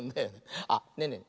あっねえねえ